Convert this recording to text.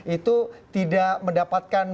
itu tidak mendapatkan